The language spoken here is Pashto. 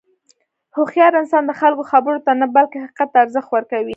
هوښیار انسان د خلکو خبرو ته نه، بلکې حقیقت ته ارزښت ورکوي.